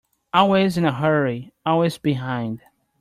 Always in a hurry, always behind.